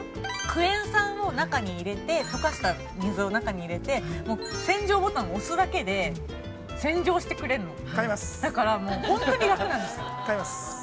クエン酸を中に入れて溶かした水を中に入れて洗浄ボタンを押すだけで洗浄してくれるの。